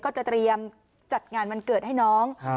ก็จะเตรียมจัดงานวันเกิดให้น้อง